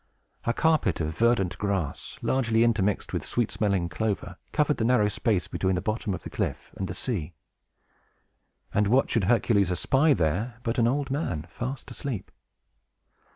A carpet of verdant grass, largely intermixed with sweet smelling clover, covered the narrow space between the bottom of the cliff and the sea. And what should Hercules espy there, but an old man, fast asleep!